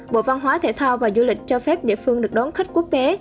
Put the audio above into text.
bộ văn hóa thể thao và du lịch cho phép địa phương được đón khách quốc tế